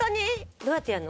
どうやってやるの？